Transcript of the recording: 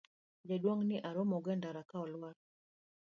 jaduong' ni aromogo e ndara ka olwar